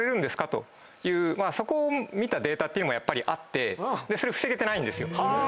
そこを見たデータっていうのもやっぱりあってそれ防げてないんですよ。